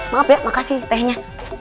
maaf ya makasih tehnya